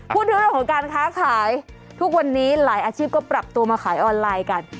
พูดถึงเรื่องของการค้าขายทุกวันนี้หลายอาชีพก็ปรับตัวมาขายออนไลน์กัน